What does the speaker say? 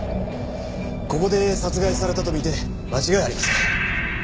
ここで殺害されたと見て間違いありません。